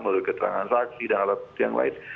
melalui keterangan saksi dan alat yang lain